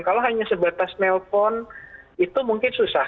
kalau hanya sebatas nelpon itu mungkin susah